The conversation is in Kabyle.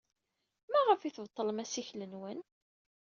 Maɣef ay tbeṭlem assikel-nwen?